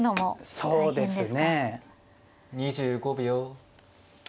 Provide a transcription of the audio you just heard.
そうですね。